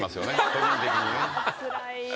個人的にね。